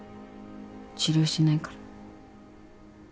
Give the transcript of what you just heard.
治療しないから。